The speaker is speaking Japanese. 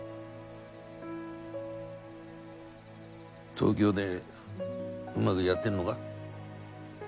東京でうまくやってるのか？